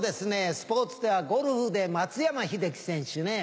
スポーツではゴルフで松山英樹選手ね。